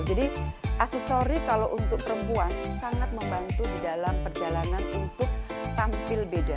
jadi aksesori kalau untuk perempuan sangat membantu di dalam perjalanan untuk tampil beda